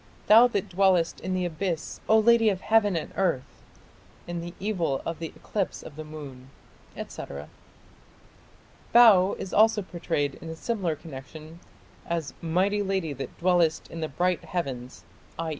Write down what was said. Thou that dwellest in the Abyss, O lady of heaven and earth!... In the evil of the eclipse of the moon, etc. Bau is also prayed in a similar connection as "mighty lady that dwellest in the bright heavens", i.